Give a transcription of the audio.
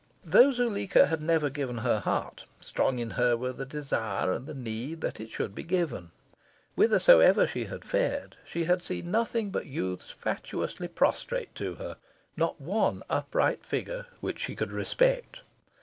Though Zuleika had never given her heart, strong in her were the desire and the need that it should be given. Whithersoever she had fared, she had seen nothing but youths fatuously prostrate to her not one upright figure which she could respect.